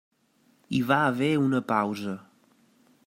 Hi va haver una pausa.